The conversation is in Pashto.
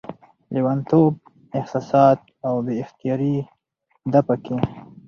لېونتوب، احساسات او بې اختياري ده پکې